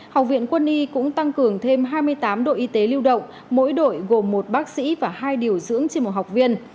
học viện quân y cũng tăng cường thêm hai mươi tám đội y tế lưu động mỗi đội gồm một bác sĩ và hai điều dưỡng trên một học viên